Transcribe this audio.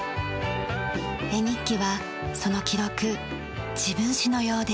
絵日記はその記録自分史のようです。